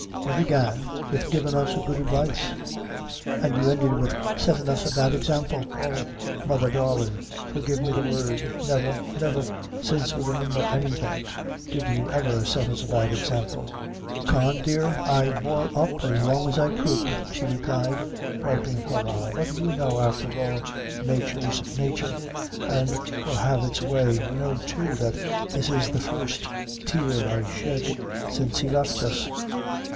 You began with givin' us a good advice, an' you ended with settin' us a bad example! Oh, mother, darlin', forgive me the word never, never since we remember anything, did you ever set us a bad example." "Con dear, I bore up as long as I could," she replied, wiping her eye; "but you know, after all, nature's nature, an' will have its way. You know, too, that this is the first tear I shed, since he left us."